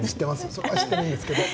それは知っているんですけれども。